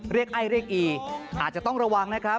ไอ้เรียกอีอาจจะต้องระวังนะครับ